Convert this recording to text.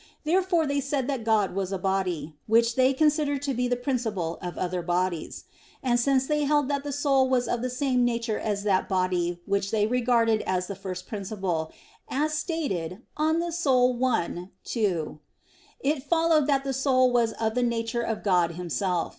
Therefore they said that God was a body, which they considered to be the principle of other bodies. And since they held that the soul was of the same nature as that body which they regarded as the first principle, as is stated De Anima i, 2, it followed that the soul was of the nature of God Himself.